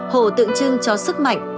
hổ tượng trưng cho sức mạnh